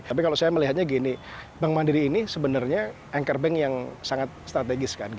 tapi kalau saya melihatnya gini bank mandiri ini sebenarnya anchor bank yang sangat strategis kan